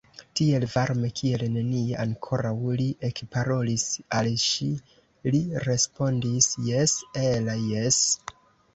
Tiel varme kiel nenie ankoraŭ li ekparolis al ŝi, li respondis: « Jes, Ella, jes! »